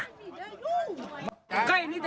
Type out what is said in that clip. อันนี้เป็นอย่างยังไง